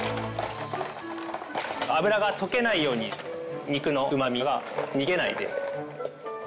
脂が溶けないように肉のうまみが逃げないよう。